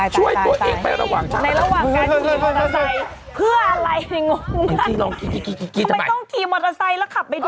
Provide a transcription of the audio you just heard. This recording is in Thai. ช่วยตัวเองไประหว่างการทีมอเตอร์ไซค์เพื่ออะไรไอ้งมทำไมต้องทีมอเตอร์ไซค์แล้วขับไปด้วย